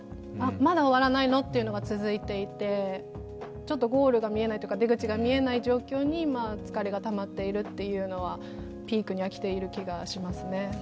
まだ終わらないの？というのが続いていてちょっとゴールが見えないというか、出口が見えない状況に疲れたがまっているというのはピークには来ている気がしますね。